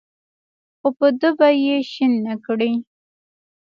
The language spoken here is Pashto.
خو په ده به یې شین نکړې.